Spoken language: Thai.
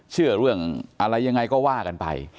เชื่อเรื่องอะไรยังไงก็ว่ากันไป